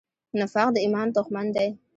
نفاق د ایمان دښمن دی.